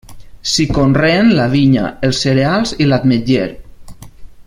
S'hi conreen la vinya, els cereals i l'ametller.